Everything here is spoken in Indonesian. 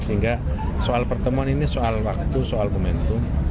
sehingga soal pertemuan ini soal waktu soal momentum